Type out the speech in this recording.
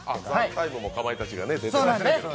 「ＴＩＭＥ，」もかまいたちが出てました。